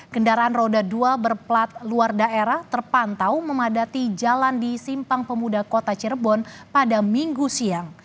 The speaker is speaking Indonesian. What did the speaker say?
kendaraan roda dua berplat luar daerah terpantau memadati jalan di simpang pemuda kota cirebon pada minggu siang